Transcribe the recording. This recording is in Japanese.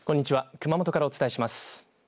熊本からお伝えします。